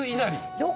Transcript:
どこ？